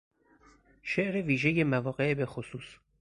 شعر ویژهی مواقع بخصوص